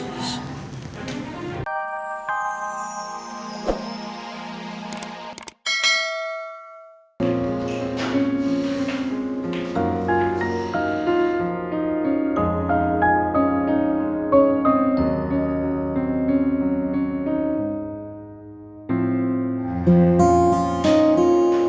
aku bawain makanan buat kamu